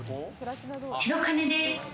白金です。